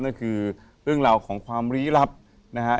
นั่นคือเรื่องราวของความลี้ลับนะฮะ